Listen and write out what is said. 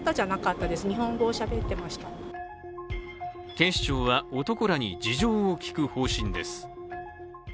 警視庁は、男らに事情を聴く方針です。